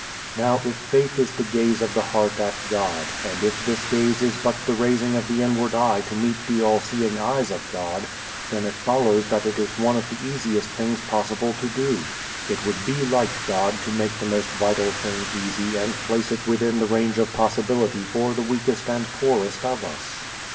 " Now, if faith is the gaze of the heart at God, and if this gaze is but the raising of the inward eyes to meet the all seeing eyes of God, then it follows that it is one of the easiest things possible to do. It would be like God to make the most vital thing easy and place it within the range of possibility for the weakest and poorest of us.